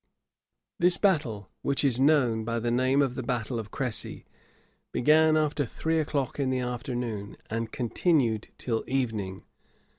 [*] This battle, which is known by the name of the battle of Crecy, began after three o'clock in the afternoon, and continued till evening.